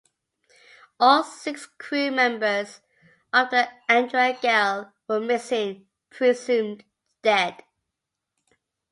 All six crew members of the "Andrea Gail" were missing, presumed dead.